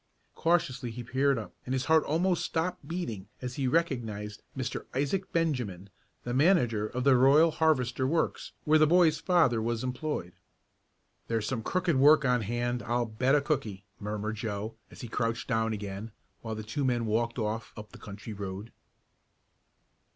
Cautiously he peered up, and his heart almost stopped beating as he recognized Mr. Isaac Benjamin, the manager of the Royal Harvester Works where the boy's father was employed. "There's some crooked work on hand, I'll bet a cookie!" murmured Joe, as he crouched down again while the two men walked off up the country road.